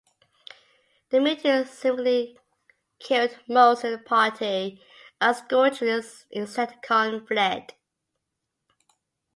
The Mutants seemingly killed most of their party, and Scourge and Insecticon fled.